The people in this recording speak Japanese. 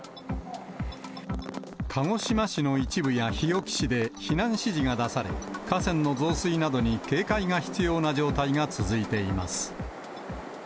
鹿児島市の一部や日置市で避難指示が出され、河川の増水などに警戒が必要な状態が続いています。